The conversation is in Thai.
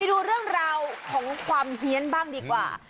ดูเรื่องราวของความเฮียนบ้างดีกว่า